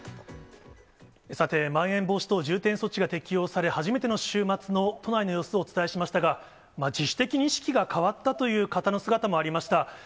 さて、まん延防止等重点措置が適用され、初めての週末の都内の様子をお伝えしましたが、自主的に意識が変わったという人の姿もありました。